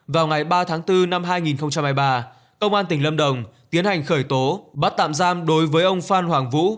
vào ngày ba tháng bốn năm hai nghìn hai mươi ba công an tỉnh lâm đồng tiến hành khởi tố bắt tạm giam đối với ông phan hoàng vũ